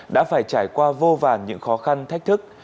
đã phải trải qua vô vàn những khó khăn thách thức